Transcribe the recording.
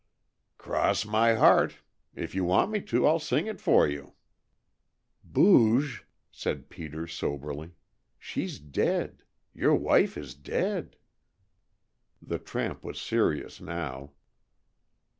"Cross my heart. If you want me to, I'll sing it for you." "Booge," said Peter soberly, "she's dead. Your wife is dead." The tramp was serious now.